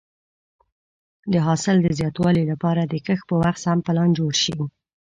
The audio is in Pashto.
د حاصل د زیاتوالي لپاره د کښت په وخت سم پلان جوړ شي.